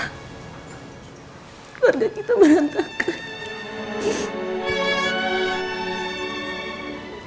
keluarga kita merantakan